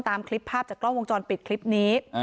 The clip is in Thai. ตามคลิปภาพจากกล้องวงจรปิดคลิปนี้